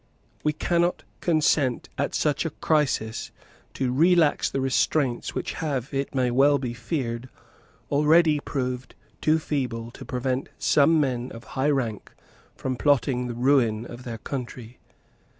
We cannot consent at such a crisis to relax the restraints which have, it may well be feared, already proved too feeble to prevent some men of high rank from plotting the ruin of their country.